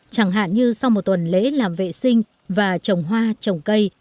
chẳng hạn như sau một tuần lễ làm vệ sinh và trồng hoa trồng cây